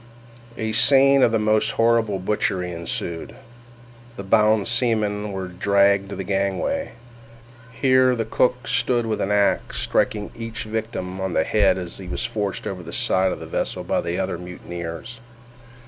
A scene of the most horrible butchery ensued. The bound seamen were dragged to the gangway. Here the cook stood with an axe, striking each victim on the head as he was forced over the side of the vessel by the other mutineers.